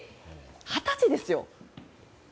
二十歳ですよ。